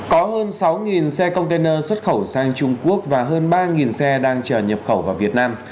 có hơn sáu xe container xuất khẩu sang trung quốc và hơn ba xe đang chờ nhập khẩu vào việt nam